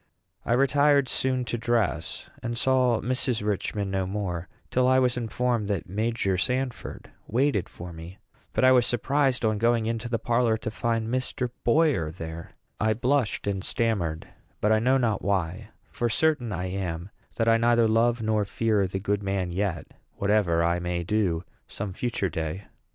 I retired soon to dress, and saw Mrs. Richman no more till I was informed that Major Sanford waited for me. But I was surprised, on going into the parlor, to find Mr. Boyer there. I blushed and stammered; but I know not why; for certain I am that I neither love nor fear the good man yet, whatever I may do some future day.